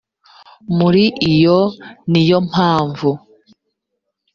muri yo ni yo mpamvu